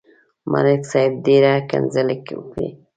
ملک صاحب ډېره کنځلې وکړې.